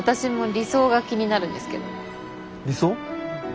理想？